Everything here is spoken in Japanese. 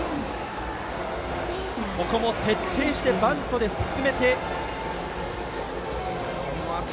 ここも徹底してバントで進めました。